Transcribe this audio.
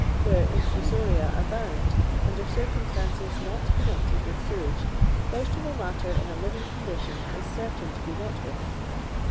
Where intusoria abound, under circumstances not connected with sewage, vegetable matter in a living condition is certain to be met with."